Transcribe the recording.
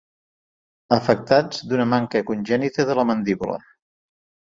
Afectats d'una manca congènita de la mandíbula.